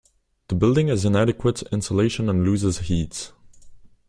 The building has inadequate insulation and loses heat.